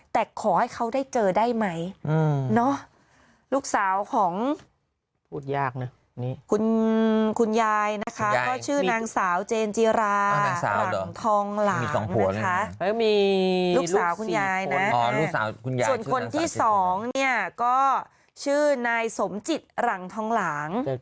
แต่ขอให้เขาได้เจอได้ไหมลูกสาวของพูดยากนะคุณยายนะคะก็ชื่อนางสาวเจนจิราหลังทองหลางนะคะมีลูกสาวคุณยายนะส่วนคนที่สองเนี่ยก็ชื่อนายสมจิตหลังทองหลาง